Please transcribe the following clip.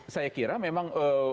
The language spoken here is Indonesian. saya kira memang